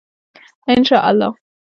انشاالله.